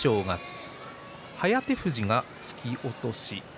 颯富士が突き落とし。